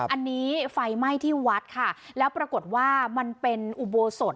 อันนี้ไฟไหม้ที่วัดค่ะแล้วปรากฏว่ามันเป็นอุโบสถ